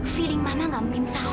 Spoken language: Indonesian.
feeling mama nggak mungkin salah pa